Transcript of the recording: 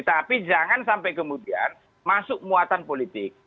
tapi jangan sampai kemudian masuk muatan politik